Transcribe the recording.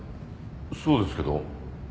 そうですけど？